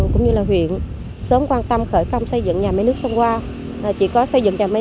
cũng như là huyện sớm quan tâm khởi công xây dựng nhà máy nước sông qua chỉ có xây dựng nhà máy